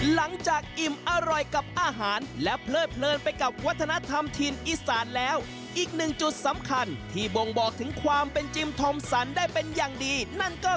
อิ่มอร่อยกับอาหารและเพลิดเพลินไปกับวัฒนธรรมถิ่นอีสานแล้วอีกหนึ่งจุดสำคัญที่บ่งบอกถึงความเป็นจิมทอมสันได้เป็นอย่างดีนั่นก็